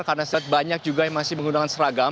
karena saya lihat banyak juga yang masih menggunakan